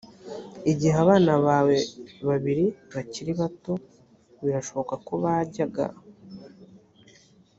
igihe abana bawe bari bakiri bato birashoboka ko bajyaga